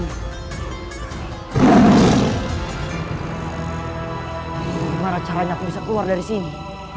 gimana caranya aku bisa keluar dari sini